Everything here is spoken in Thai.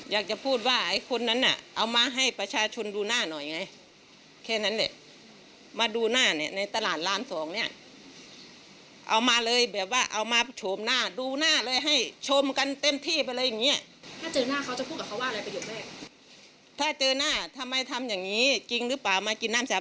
อยากจะพูดว่าไอ้คนนั้นน่ะ